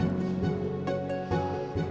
kamu masih belum sadar juga